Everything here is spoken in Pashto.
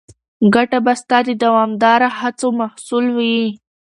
ګټه به ستا د دوامداره هڅو محصول وي.